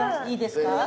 いいですか？